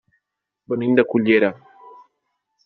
Venim de Cullera.